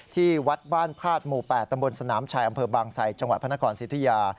ที่วัดบ้านพาดหมู่๘ตำบลสนามชัยอำเภอบางไซจังหวัดพระนครสิทธิยา